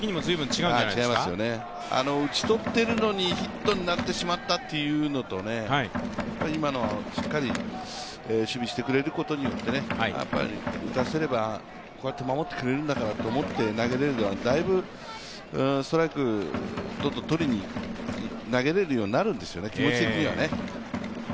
打ち取っているのにヒットになってしまったっていうのと今のしっかり守備してくれることによって、打たせればこうやって守ってくれるんだからと思って投げれるというのはだいぶストライク、どんどんとりに投げれるようになるんですよね、気持ち的には。